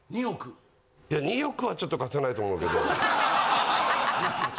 いや２億はちょっと貸せないと思うけど。